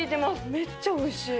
めっちゃおいしい。